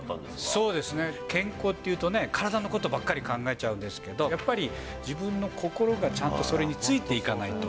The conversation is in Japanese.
そうですね、健康っていうとね、体のことばっかり考えちゃうんですけど、やっぱり自分の心がちゃんとそれについていかないと。